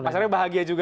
mas nyarwi bahagia juga